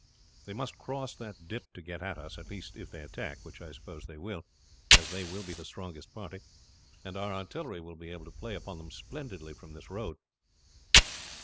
"They must cross that dip to get at us at least if they attack, which I suppose they will, as they will be the strongest party and our artillery will be able to play upon them splendidly from this road.